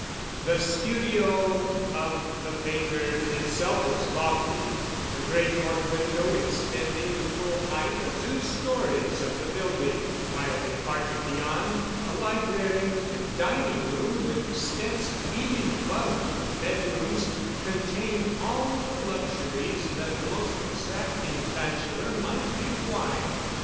The studio of the painter itself was lofty, the great north window extending the full height of two stories of the building, while the apartment beyond, a library and dining room with steps leading above to the bedrooms, contained all the luxuries that the most exacting bachelor might require.